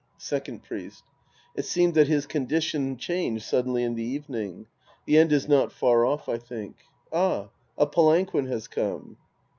Second Priest. It seems that his condition changed suddenly in the evening. The end is not far off, I think. Ah, a palanquin has come.